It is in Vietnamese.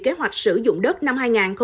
kế hoạch sử dụng đất năm hai nghìn hai mươi bốn